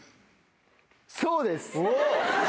そうです！